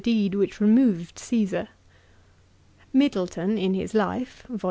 deed which removed Caesar. Middleton in his life (Vol.